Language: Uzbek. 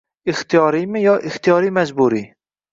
Ixtiyoriymi yo ixtiyoriy-majburiy?